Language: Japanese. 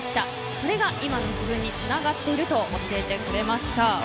それが今の自分につながっていると教えてくれました。